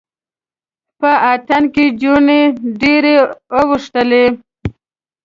په اتڼ کې جونې ډیرې اوښتلې